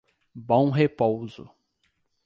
Bom Repouso